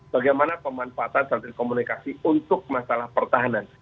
bagaimana pemanfaatan strategis komunikasi untuk masalah pertahanan